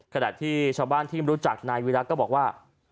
ขณะที่ชาวบ้านที่รู้จักนายวิรักษ์ก็บอกว่า